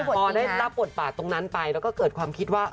พอได้รับบทบาทตรงนั้นไปแล้วก็เกิดความคิดว่า